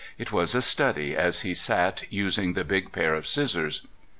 it was a study as he sat using the big pair of scissors.